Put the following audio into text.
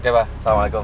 oke pa assalamualaikum